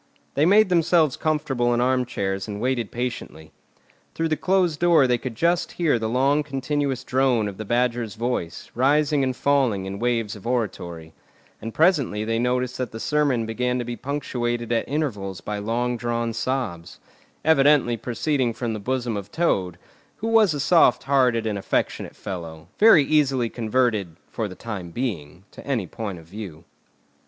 They made themselves comfortable in armchairs and waited patiently. Through the closed door they could just hear the long continuous drone of the Badger's voice, rising and falling in waves of oratory; and presently they noticed that the sermon began to be punctuated at intervals by long drawn sobs, evidently proceeding from the bosom of Toad, who was a soft hearted and affectionate fellow, very easily converted—for the time being—to any point of view.